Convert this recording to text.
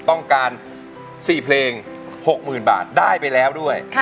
ต้องการ๔เพลง๖๐๐๐บาทได้ไปแล้วด้วย